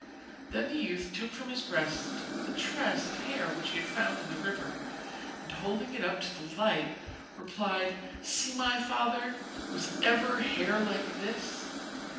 Then the youth took from his breast the tress of hair which he had found in the river, and holding it up to the light, replied: 'See, my father, was ever hair like this?